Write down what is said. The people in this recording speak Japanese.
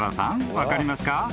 分かりますか？］